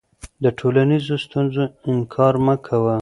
د ټولنیزو ستونزو انکار مه کوه.